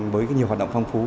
với nhiều hoạt động phong phú